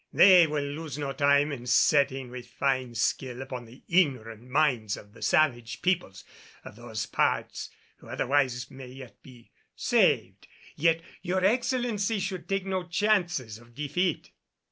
They will lose no time in setting with fine skill upon the ignorant minds of the savage peoples of those parts who otherwise may yet be saved. Yet your Excellency should take no chances of defeat."